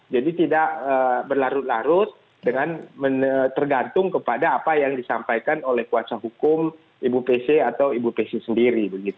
jadi tidak berlarut larut dengan tergantung kepada apa yang disampaikan oleh kuasa hukum ibu pc atau ibu pc sendiri